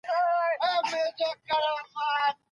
شخصي ملکیت ته په درناوي قایل یم.